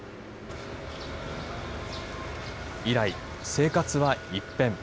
以来、生活は一変。